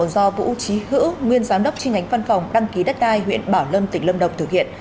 do vũ trí hữu nguyên giám đốc trinh ánh phân phòng đăng ký đất đai huyện bảo lâm tỉnh lâm đồng thực hiện